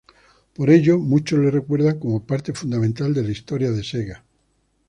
Por ello muchos le recuerdan como parte fundamental de la historia de Sega.